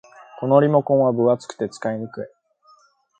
このリモコンは分厚くて使いにくい